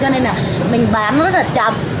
cho nên là mình bán nó rất là chậm